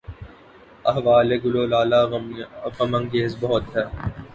احوال گل و لالہ غم انگیز بہت ہے